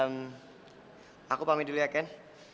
ehm aku pamit dulu ya ken